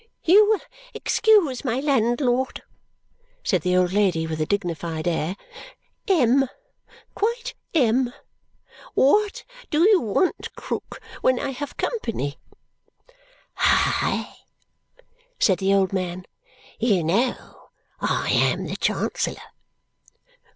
"You will excuse my landlord," said the old lady with a dignified air. "M, quite M! What do you want, Krook, when I have company?" "Hi!" said the old man. "You know I am the Chancellor."